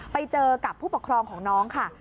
ไปเจอกับผู้ปกครองของน้องค่ะ